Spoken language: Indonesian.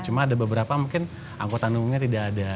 cuma ada beberapa mungkin angkota nunggu tidak ada